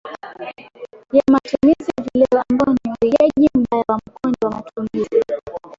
ya matumizi ya vileo ambao ni uigaji mbaya wa mkondo wa matumizi